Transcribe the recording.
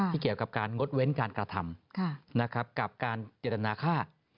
เกี่ยวกับการงดเว้นการกระทำกับการเจตนาค่า